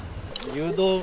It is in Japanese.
誘導？